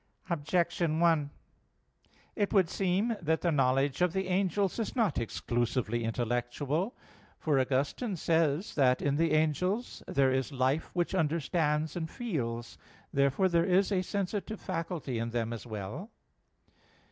Objection 1: It would seem that the knowledge of the angels is not exclusively intellectual. For Augustine says (De Civ. Dei viii) that in the angels there is "life which understands and feels." Therefore there is a sensitive faculty in them as well.